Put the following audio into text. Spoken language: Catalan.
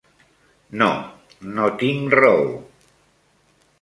No, no tinc raó.